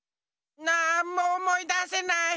なんもおもいだせない。